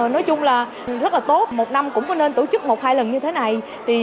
nói chung là rất là tốt một năm cũng có nên tổ chức một hai lần như thế này